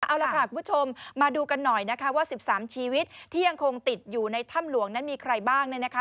เอาล่ะค่ะคุณผู้ชมมาดูกันหน่อยนะคะว่า๑๓ชีวิตที่ยังคงติดอยู่ในถ้ำหลวงนั้นมีใครบ้างเนี่ยนะคะ